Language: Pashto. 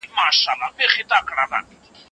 A ګروپ سبزي خوړونکی وي.